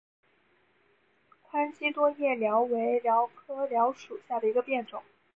宽基多叶蓼为蓼科蓼属下的一个变种。